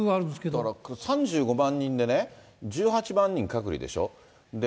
だから３５万人でね、１８万人隔離でしょう。